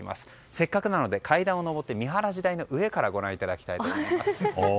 せっかくなので階段を上って見晴らし台の上からご覧いただきます。